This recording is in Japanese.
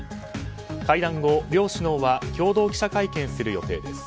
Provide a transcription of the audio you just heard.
会談後、両首脳は共同記者会見する予定です。